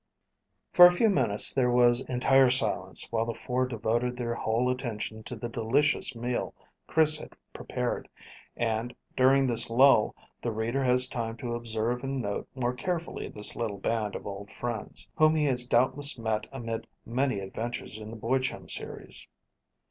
FOR a few minutes there was entire silence while the four devoted their whole attention to the delicious meal Chris had prepared, and, during this lull, the reader has time to observe and note more carefully this little band of old friends, whom he has doubtless met amid many adventures in the Boy Chum Series.